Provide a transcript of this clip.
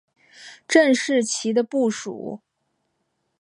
郑士琦的部属。